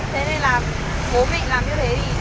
thế nên là bố mình làm như thế thì